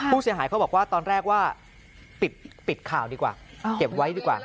ผู้เสียหายเขาบอกว่าตอนแรกว่าปิดข่าวดีกว่าเก็บไว้ดีกว่า